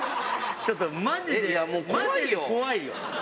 ちょっとまじで、怖いよ。